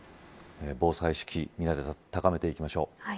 防災意識皆で高めていきましょう。